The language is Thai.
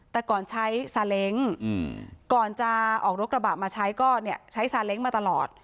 แต่ก่อนใช้ซาเล้งก่อนจะออกรถกระบะมาใช้ก็เนี่ยใช้ซาเล้งมาตลอด